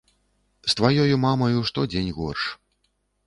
З тваёю мамаю штодзень горш.